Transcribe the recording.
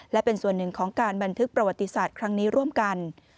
และเป็นส่วนหนึ่งของการบันทึกประวัติศาสตร์ครั้งนี้ร่วมกัน